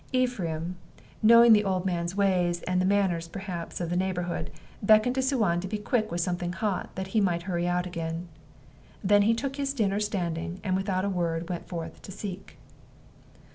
Ephraim, knowing the old man's ways, and the manners, perhaps, of the neighborhood, beckoned to Suan to be quick with something hot, that he might hurry out again. Then he took his dinner standing, and without a word went forth to seek.